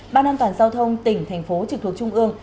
ban an toàn giao thông tỉnh thành phố trực thuộc trung ương